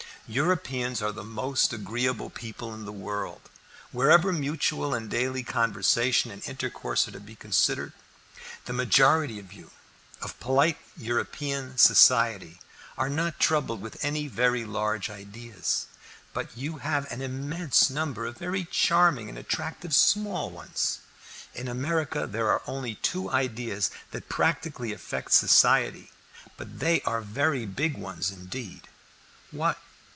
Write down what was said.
Europeans are the most agreeable people in the world, wherever mutual and daily conversation and intercourse are to be considered. The majority of you, of polite European society, are not troubled with any very large ideas, but you have an immense number of very charming and attractive small ones. In America there are only two ideas that practically affect society, but they are very big ones indeed." "What?"